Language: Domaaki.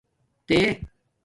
تے